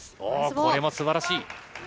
これもすばらしい。